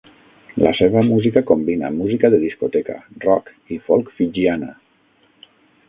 La seva música combina música de discoteca, rock i folk fijiana.